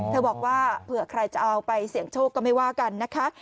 บอกว่าเผื่อใครจะเอาไปเสี่ยงโชคก็ไม่ว่ากันนะคะ